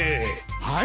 はい。